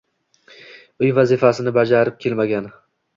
Uy vazifasini bajarib kelmagan.